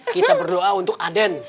kita berdoa untuk aden